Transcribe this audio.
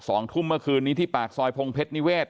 สองทุ่มเมื่อคืนนี้ที่ปากซอยพงเพชรนิเวศ